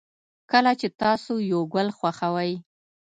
کله چې تاسو یو گل خوښوئ